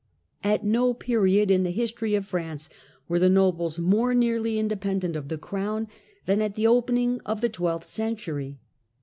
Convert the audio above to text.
At no period in the history of France were the nobles more nearly independent of the crown than at the opening of the twelfth century.